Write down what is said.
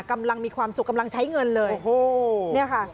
กำลังมีความสุขกำลังใช้เงินเลยโอ้โหเนี่ยค่ะ